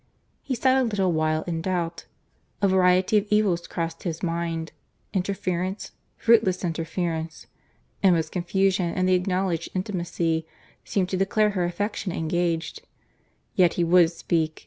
He sat a little while in doubt. A variety of evils crossed his mind. Interference—fruitless interference. Emma's confusion, and the acknowledged intimacy, seemed to declare her affection engaged. Yet he would speak.